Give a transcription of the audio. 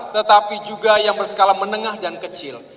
tetapi juga yang berskala menengah dan kecil